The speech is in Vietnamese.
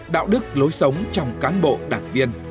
đạo đức lối sống trong cán bộ đảng viên